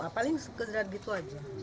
paling segera gitu aja